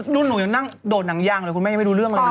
รุ่นนูยังนั่งโดดหนังยางเลยคุณแม่ยังไม่ดูเรื่องเหมือนกัน